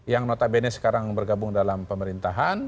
yang notabene sekarang bergabung dalam pemerintahan